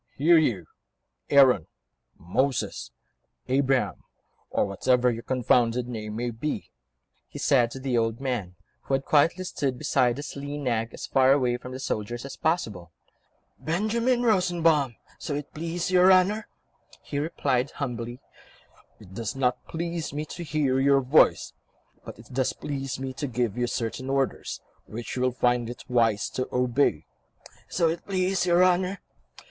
"Here, you ... Aaron, Moses, Abraham, or whatever your confounded name may be," he said to the old man, who had quietly stood beside his lean nag, as far away from the soldiers as possible. "Benjamin Rosenbaum, so it please your Honour," he replied humbly. "It does not please me to hear your voice, but it does please me to give you certain orders, which you will find it wise to obey." "So it please your Honour